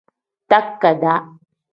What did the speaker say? Takadaa.